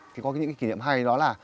thì có những cái kỷ niệm hay đó là